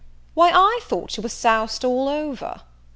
why I thought you were soused all over.